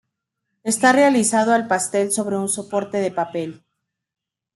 Está realizado al pastel sobre un soporte de papel.